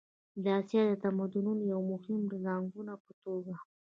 د اسیا د تمدنونو د یوې مهمې زانګو په توګه.